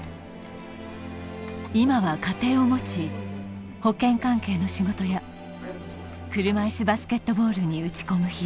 今は家庭を持ち保険関係の仕事や車いすバスケットボールに打ち込む